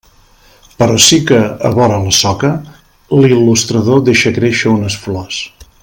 Però sí que, a vora la soca, l'il·lustrador deixa créixer unes flors.